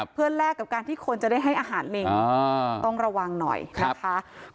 เพื่อแลกกับการที่คนจะได้ให้อาหารลิงต้องระวังหน่อยนะคะ